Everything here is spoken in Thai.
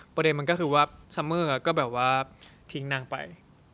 ประเด็นมันก็คือว่าซัมเมอร์ก็แบบว่าทิ้งนางไป